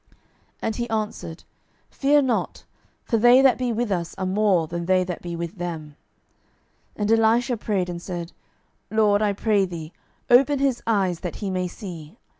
12:006:016 And he answered, Fear not: for they that be with us are more than they that be with them. 12:006:017 And Elisha prayed, and said, LORD, I pray thee, open his eyes, that he may see.